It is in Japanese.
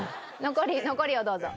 残り残りをどうぞ。